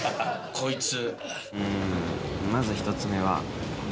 こいつ。